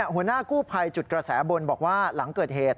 หัวหน้ากู้ภัยจุดกระแสบนบอกว่าหลังเกิดเหตุ